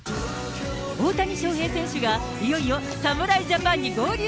大谷翔平選手が、いよいよ侍ジャパンに合流。